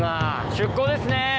出港ですね。